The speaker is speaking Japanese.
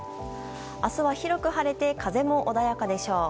明日は、広く晴れて風も穏やかでしょう。